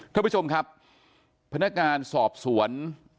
ท่านผู้ชมครับพนักงานสอบสวน